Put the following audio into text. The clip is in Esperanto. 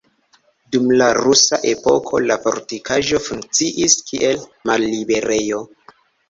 Dum la Rusa epoko la fortikaĵo funkciis kiel malliberejo.